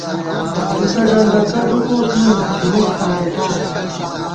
تُوتہ ڈنڈَکہ ݫُپوس نُن، څِھنِک څھارېٹا رتئ